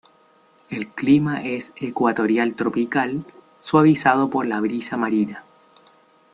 El clima es ecuatorial-tropical, suavizado por la brisa marina.